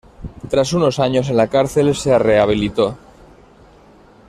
Tras unos años en la cárcel se rehabilitó.